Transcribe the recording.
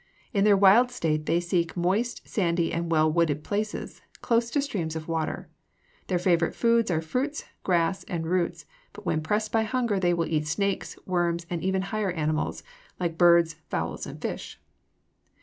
In their wild state they seek moist, sandy, and well wooded places, close to streams of water. Their favorite foods are fruits, grass, and roots, but when pressed by hunger they will eat snakes, worms, and even higher animals, like birds, fowls, and fish.